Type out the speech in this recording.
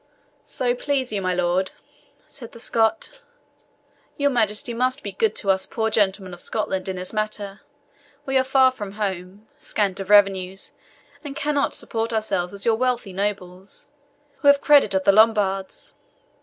"So please you, my lord," said the Scot, "your majesty must be good to us poor gentlemen of Scotland in this matter. We are far from home, scant of revenues, and cannot support ourselves as your wealthy nobles, who have credit of the Lombards.